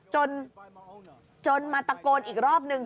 จนมาตะโกนอีกรอบนึง